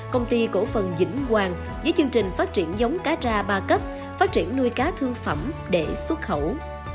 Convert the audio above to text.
công ty cổ phần vĩnh hoàng với chương trình phát triển giống cá tra ba cấp phát triển nuôi cá thương phẩm để xuất khẩu